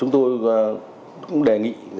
tôi cũng đề nghị